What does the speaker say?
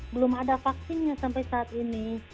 belum ada vaksinnya sampai saat ini